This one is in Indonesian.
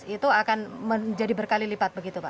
itu akan menjadi berkali lipat begitu pak